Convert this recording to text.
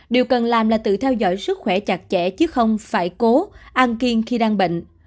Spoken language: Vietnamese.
điều cần làm là tự theo dõi sức khỏe chặt chẽ chứ không phải cố an kiên khi đang bệnh